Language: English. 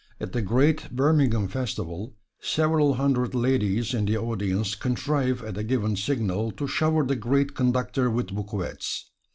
At the great Birmingham Festival several hundred ladies in the audience contrived at a given signal to shower the great conductor with bouquets.